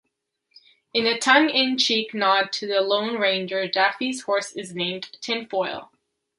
In a tongue-in-cheek nod to "The Lone Ranger", Daffy's horse is named "Tinfoil".